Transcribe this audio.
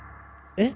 えっ。